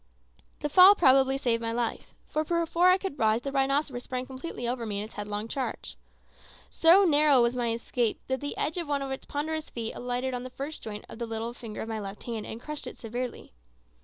The fall probably saved my life, for before I could rise the rhinoceros sprang completely over me in its headlong charge. So narrow was my escape that the edge of one of its ponderous feet alighted on the first joint of the little finger of my left hand, and crushed it severely.